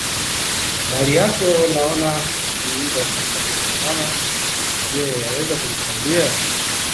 Na nina mengi, ah yamenikaa moyoni